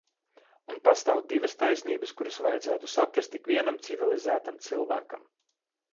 Un pastāv divas taisnības, kuras vajadzētu saprast ikvienam civilizētam cilvēkam.